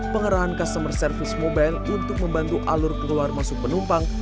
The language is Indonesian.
pengerahan customer service mobile untuk membantu alur keluar masuk penumpang